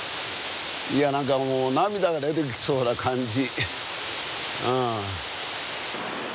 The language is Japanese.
何かもう涙が出てきそうな感じ。